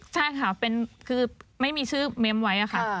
ใช่ค่ะคือไม่มีชื่อเมมไว้ค่ะ